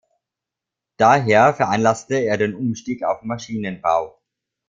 Daher veranlasste er den Umstieg auf Maschinenbau.